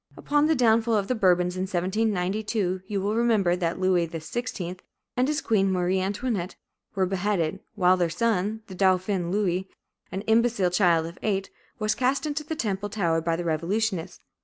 Upon the downfall of the Bourbons in 1792, you will remember that Louis XVI. and his queen, Marie Antoinette, were beheaded, while their son, the dauphin Louis, an imbecile child of eight, was cast into the temple tower by the revolutionists.